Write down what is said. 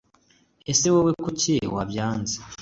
ese wowe kucyi wabyanze